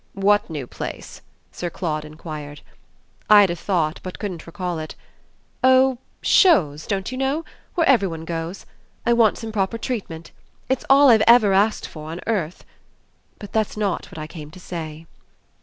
"What new place?" Sir Claude enquired. Ida thought, but couldn't recall it. "Oh 'Chose,' don't you know? where every one goes. I want some proper treatment. It's all I've ever asked for on earth. But that's not what I came to say."